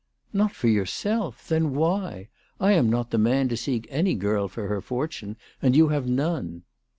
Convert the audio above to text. " Not for yourself ! Then why ? I am not the man to seek any girl for her fortune, and you have none."